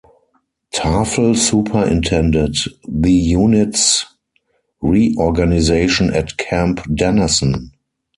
Tafel superintended the unit's re-organization at Camp Dennison.